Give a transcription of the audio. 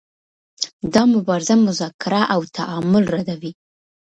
دا مبارزه مذاکره او تعامل ردوي.